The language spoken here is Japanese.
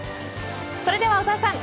それでは小澤さん